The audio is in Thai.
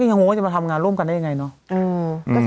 งงว่าจะมาทำงานร่วมกันได้ยังไงเนอะ